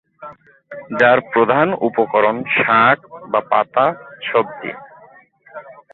যার প্রধান উপকরণ শাক বা পাতা সবজি।